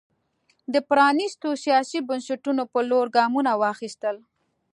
د پرانېستو سیاسي بنسټونو پر لور ګامونه واخیستل.